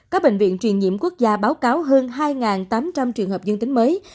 các bệnh viện truyền nhiễm quốc gia báo cáo hơn hai tám trăm linh trường hợp dương tính mới